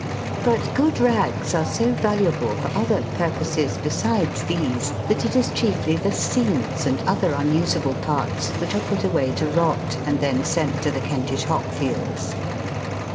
But good rags are so valuable for other purposes besides these, that it is chiefly the seams and other unusable parts which are put away to rot and then sent to the Kentish hop fields.